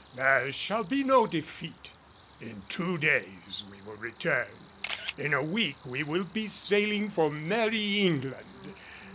There shall be no defeat. In two days we will return in a week will be sailing for Merry England."